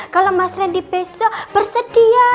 kalau mas randy besok bersedia